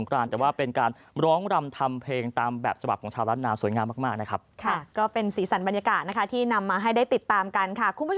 ข่าวเทราะทีวีรายงาน